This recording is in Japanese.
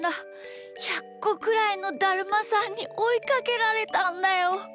１００こくらいのだるまさんにおいかけられたんだよ。